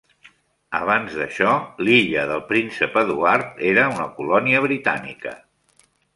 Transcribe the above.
Abans d'això, l'Illa del Príncep Eduard era una colònia britànica.